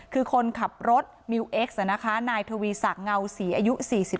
คือคนขับรถมิวเอ็กซนายทวีสักเหงาสีอายุ๔๑